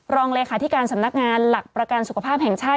รองเลขาธิการสำนักงานหลักประกันสุขภาพแห่งชาติ